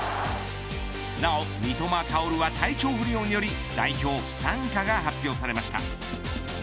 なお、三笘薫は体調不良により代表不参加が発表されました。